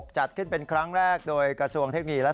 จัดขึ้นเป็นครั้งแรกโดยกระทรวงเทคโนโลยีและ